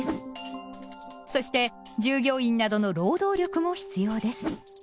そして従業員などの労働力も必要です。